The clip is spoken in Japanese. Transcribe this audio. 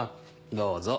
どうぞ。